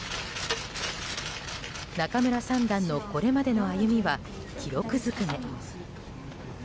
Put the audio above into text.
仲邑三段のこれまでの歩みは記録尽くめ。